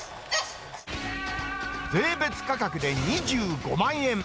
税別価格で２５万円。